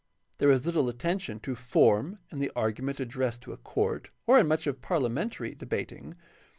There is little attention to form in the argument addressed to a court or in much of parliamentary debating.